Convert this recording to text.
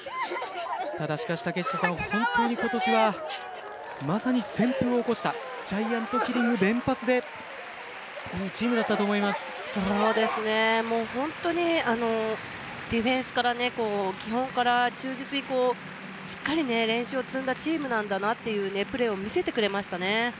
ただ、しかし本当に今年はまさに旋風を起こしたジャイアントキリング連発で本当にディフェンスから基本から忠実にしっかり練習を積んだチームなんだなというプレーを見せてくれましたね。